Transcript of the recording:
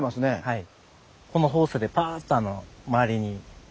はい。